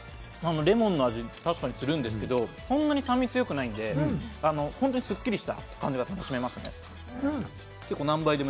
レモンの味、確かにするんですけれども、そんなに酸味が強くないので、本当にスッキリした感じが楽しめますね。